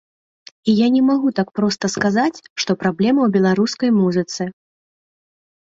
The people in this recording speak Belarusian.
І я не магу так проста сказаць, што праблема ў беларускай музыцы.